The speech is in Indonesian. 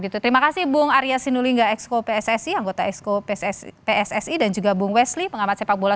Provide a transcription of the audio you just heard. terima kasih bung arya sinulinga exco pssi anggota exco pssi dan juga bung wesli pengamat sepak bola